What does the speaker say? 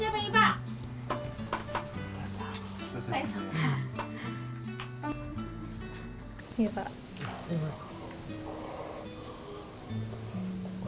apa ini pak